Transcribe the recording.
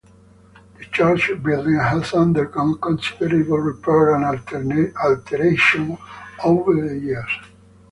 The church building has undergone considerable repair and alteration over the years.